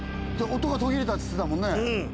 音が途切れたつってたもんね？